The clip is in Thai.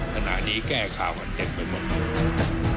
ขณะนี้แก้ข่าวกันเต็มไปหมดเลย